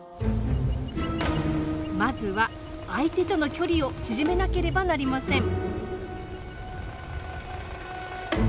まずは相手との距離を縮めなければなりません。